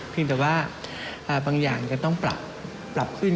แต่ว่าบางอย่างจะต้องปรับขึ้น